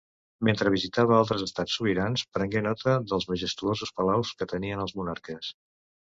Mentre visitava altres estats sobirans, prengué nota dels majestuosos palaus que tenien els monarques.